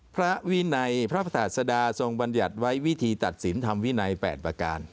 พระวินัยพระประธานสดาทรงบัญญัติไว้วิธีตัดสินทำวินัย๘ประการ